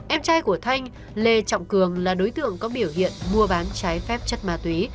em trai của thanh lê trọng cường là đối tượng có biểu hiện mua bán trái phép chất ma túy